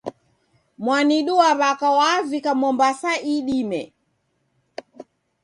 Mwanidu wa w'aka wavika Mombasa idime.